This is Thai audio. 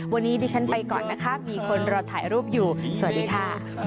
วันนี้ดิฉันไปก่อนนะคะมีคนรอถ่ายรูปอยู่สวัสดีค่ะ